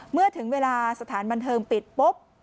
เมื่อถึงเวลาสถานบันเทิงปิดปุ๊บ